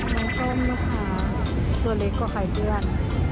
น้องส้มล่ะค่ะตัวเล็กกว่าถ่ายฟือน